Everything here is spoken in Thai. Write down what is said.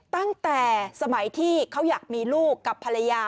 ตั้งแต่สมัยที่เขาอยากมีลูกกับภรรยา